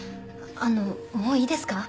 あのもういいですか？